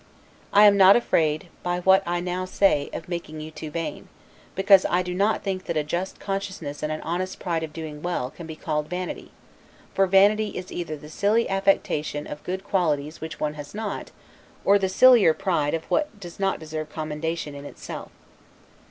I am not afraid, by what I now say, of making you too vain; because I do not think that a just consciousness and an honest pride of doing well, can be called vanity; for vanity is either the silly affectation of good qualities which one has not, or the sillier pride of what does not deserve commendation in itself.